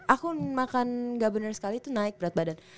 aku makan enggak bener sekali itu naik berat badan